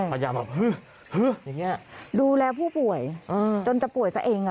พยายามแบบฮึฮึอย่างเงี้ยดูแลผู้ป่วยอืมจนจะป่วยซะเองอ่ะ